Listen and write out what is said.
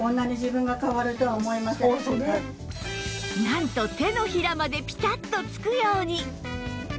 なんと手のひらまでピタッとつくように